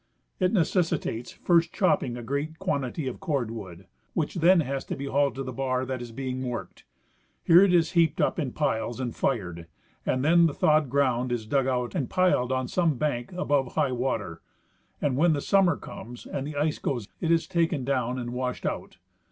It necessitates first chopping a great quantity of cord wood, Avhich then has to be hauled to the bar that is being worked. Here it is heaped up in piles and fired, and then the thawed ground is dug out and piled on some bank above high Avater, and when summer comes and the ice goes it is taken down and washed out.